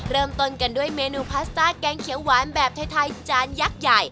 เริ่มต้นกันด้วยเมนูพาสต้าแกงเขียวหวานแบบไทยจานยักษ์ใหญ่